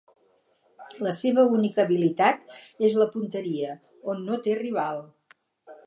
La seva única habilitat és la punteria, on no té rival.